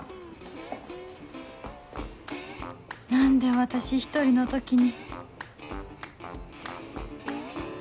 何で私１人の時に